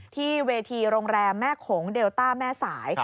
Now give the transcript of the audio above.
ที่เวทีโรงแรมแม่โขงเดลต้าแม่สาย